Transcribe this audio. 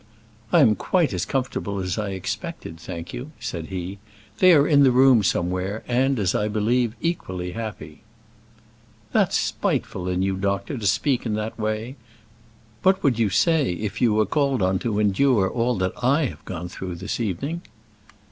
"I am quite as comfortable as I expected, thank you," said he. "They are in the room somewhere, and, as I believe, equally happy." "That's spiteful in you, doctor, to speak in that way. What would you say if you were called on to endure all that I have gone through this evening?"